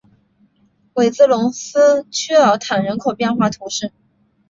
韦泽龙斯屈尔坦人口变化图示